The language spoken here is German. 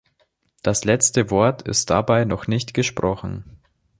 Das letzte Wort ist dabei noch nicht gesprochen.